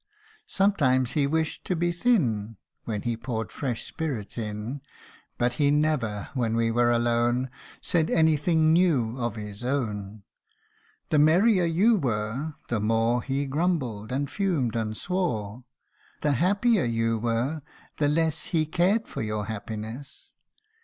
Sometimes he wished to be thin, (When he poured fresh spirits in.) But he never, when we were alone, Said any thing new of his own. The merrier you were, the more He grumbled, and fumed, and swore; The happier you were, the less He cared for your happiness.